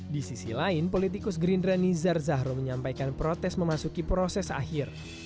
di sisi lain politikus gerindra nizar zahro menyampaikan protes memasuki proses akhir